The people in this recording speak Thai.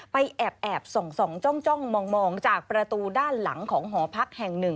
แอบส่องจ้องมองจากประตูด้านหลังของหอพักแห่งหนึ่ง